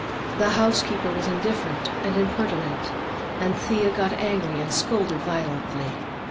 The housekeeper was indifferent and impertinent, and Thea got angry and scolded violently.